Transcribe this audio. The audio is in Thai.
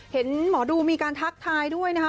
เห็นหมอดูมีการทักทายด้วยนะคะ